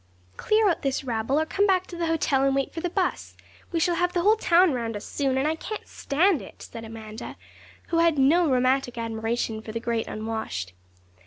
'Clear out this rabble, or come back to the hotel and wait for the bus. We shall have the whole town round us soon, and I can't stand it,' said Amanda, who had no romantic admiration for the Great Unwashed.